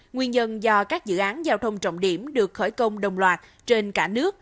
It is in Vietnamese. nguyên nhân do các dự án giao thông trọng điểm được khởi công đồng loạt trên cả nước